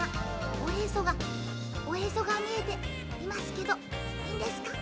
おへそがおへそがみえていますけどいいんですか？